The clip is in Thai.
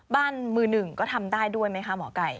บ้านมือหนึ่งก็ทำได้ด้วยไหมคะหมอไก่